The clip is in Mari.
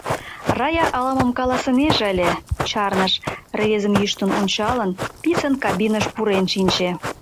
Рая ала-мом каласынеже ыле, чарныш, рвезым йӱштын ончалын, писын кабиныш пурен шинче.